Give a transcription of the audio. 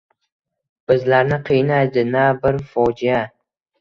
Bizlarni qiynaydi na bir fojia